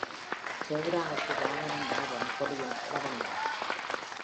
சிவபிரானுக்கு வாகனம் இடபம் கொடியும் இடபந்தான்.